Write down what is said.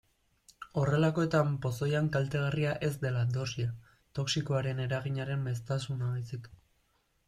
Horrelakoetan pozoian kaltegarria ez dela dosia, toxikoaren eraginaren maiztasuna baizik.